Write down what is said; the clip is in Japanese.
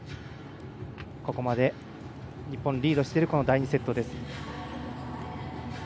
ここまで、日本リードしている第２セットです。